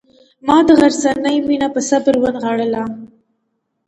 ما د غرڅنۍ مینه په صبر ونغاړله.